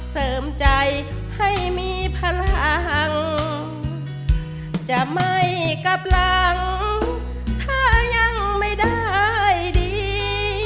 เสริมใจให้มีพลังจะไม่กลับหลังถ้ายังไม่ได้ดี